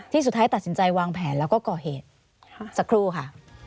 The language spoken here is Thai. สุดท้ายตัดสินใจวางแผนแล้วก็ก่อเหตุสักครู่ค่ะ